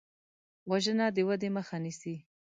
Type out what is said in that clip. وژنه د ودې مخه نیسي